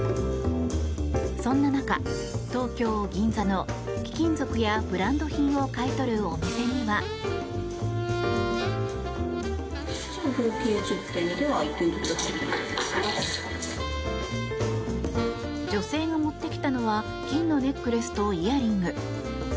そんな中、東京・銀座の貴金属やブランド品を買い取るお店には。女性が持ってきたのは金のネックレスとイヤリング。